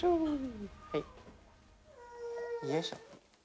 よいしょ。